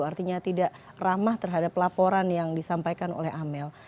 artinya tidak ramah terhadap laporan yang disampaikan oleh amel